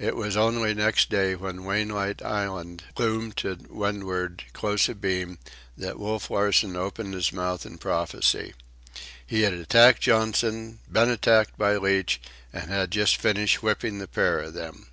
It was only next day, when Wainwright Island loomed to windward, close abeam, that Wolf Larsen opened his mouth in prophecy. He had attacked Johnson, been attacked by Leach, and had just finished whipping the pair of them.